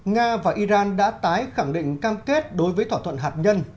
nga và iran đã tái khẳng định cam kết đối với thỏa thuận hạt nhân